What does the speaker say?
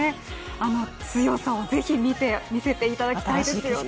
あの強さをぜひ見せていただきたいですよね。